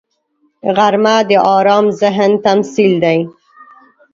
غرمه د آرام ذهن تمثیل دی